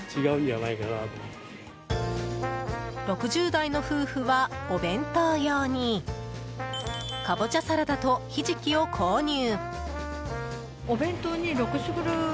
６０代の夫婦は、お弁当用にかぼちゃサラダとひじきを購入。